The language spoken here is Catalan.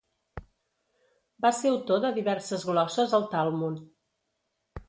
Va ser autor de diverses glosses al Talmud.